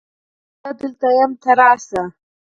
زه دلته یم ته راشه